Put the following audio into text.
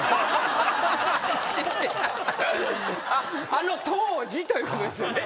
あの当時ということですよね。